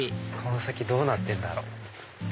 この先どうなってんだろう？